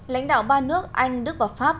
lãnh đạo ba nước anh đức và pháp